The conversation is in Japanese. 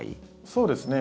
そうですね。